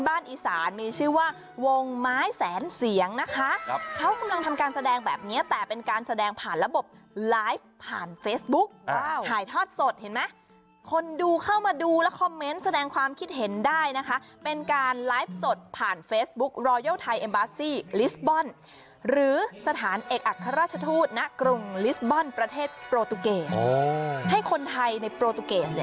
อีสานมีชื่อว่าวงไม้แสนเสียงนะคะเขากำลังทำการแสดงแบบนี้แต่เป็นการแสดงผ่านระบบไลฟ์ผ่านเฟซบุ๊กถ่ายทอดสดเห็นไหมคนดูเข้ามาดูและคอมเมนต์แสดงความคิดเห็นได้นะคะเป็นการไลฟ์สดผ่านเฟซบุ๊กรายเอ็มบาซี่ลิสบอลหรือสถานเอกอัครราชทูตณกรุงลิสบอลประเทศโปรตูเกตให้คนไทยในโปรตูเกตเลย